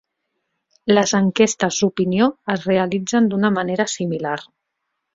Les enquestes d'opinió es realitzen d'una manera similar.